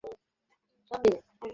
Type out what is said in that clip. তিনি অধিক পরিমাণে পরিচিত।